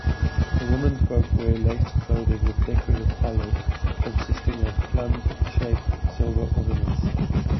The womenfolk wear laced clothing with decorated collars, consisting of plum-shaped silver ornaments.